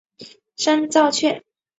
山噪鹛。